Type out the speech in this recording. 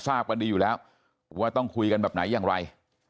ทราบกันดีอยู่แล้วว่าต้องคุยกันแบบไหนอย่างไร